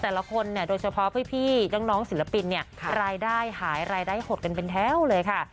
แต่ละคนเนี่ยโดยเฉพาะพี่น้องศิลปินเนี่ยรายได้หายรายได้หดกันเป็นแถวเลยค่ะ